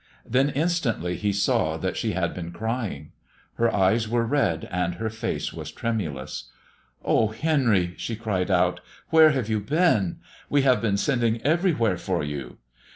Then instantly he saw that she had been crying. Her eyes were red and her face was tremulous. "Oh, Henry," she cried out, "where have you been? We have been sending everywhere for you."